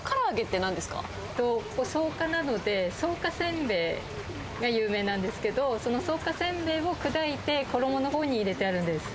ここ、草加なので、草加せんべいが有名なんですけど、その草加せんべいを砕いて、衣のほうに入れてあるんです。